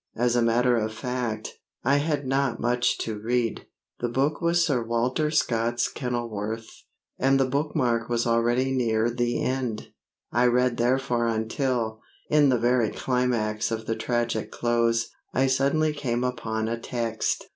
As a matter of fact, I had not much to read. The book was Sir Walter Scott's Kenilworth, and the bookmark was already near the end. I read therefore until, in the very climax of the tragic close, I suddenly came upon a text.